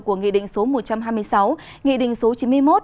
của nghị định số một trăm hai mươi sáu nghị định số chín mươi một